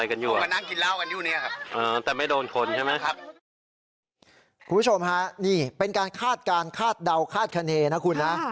คุณผู้ชมฮะนี่เป็นการคาดการณ์คาดเดาคาดคณีนะคุณนะ